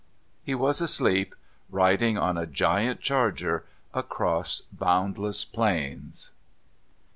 He was asleep, riding on a giant charger across boundless plains.